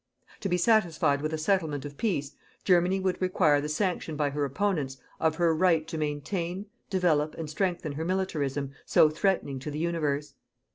To be satisfied with a settlement of peace, Germany would require the sanction by her opponents of her right to maintain, develop and strengthen her MILITARISM so threatening to the universe.